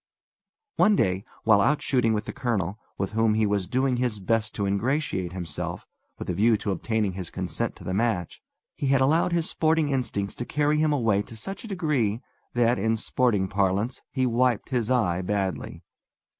One day while out shooting with the colonel, with whom he was doing his best to ingratiate himself, with a view to obtaining his consent to the match, he had allowed his sporting instincts to carry him away to such a degree that, in sporting parlance, he wiped his eye badly.